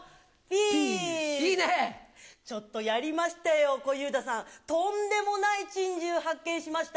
ちょっとやりましたよ、小遊三さん、とんでもない珍獣発見しました。